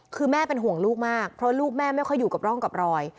คือแม่เป็นห่วงลูกมากเพราะลูกแม่ไม่ค่อยอยู่กับร่องกับรอย